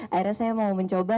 akhirnya saya mau mencoba